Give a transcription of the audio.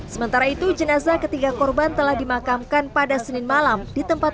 sementara itu jenazah ketiga korban telah dimakamkan pada senin malam di tempat